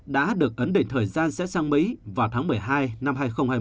đã được ấn định thời gian sẽ sang mỹ vào tháng một mươi hai năm hai nghìn hai mươi